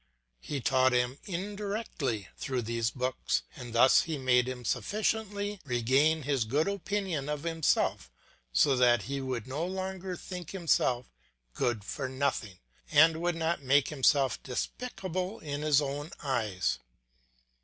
He taught him indirectly through these books, and thus he made him sufficiently regain his good opinion of himself so that he would no longer think himself good for nothing, and would not make himself despicable in his own eyes.